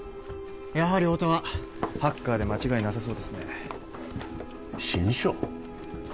やはり太田はハッカーで間違いなさそうですね志ん生？